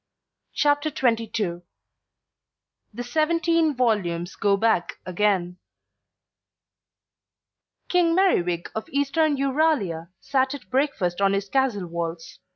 CHAPTER XXII THE SEVENTEEN VOLUMES GO BACK AGAIN King Merriwig of Eastern Euralia sat at breakfast on his castle walls.